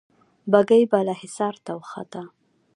بګۍ بالا حصار ته وخته.